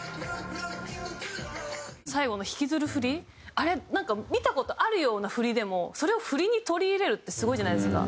あれなんか見た事あるような振りでもそれを振りに取り入れるってすごいじゃないですか。